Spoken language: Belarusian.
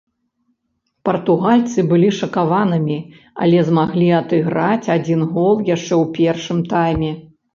Партугальцы былі шакаванымі, але змаглі адыграць адзін гол яшчэ ў першым тайме.